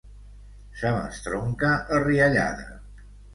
Se m'estronca la riallada.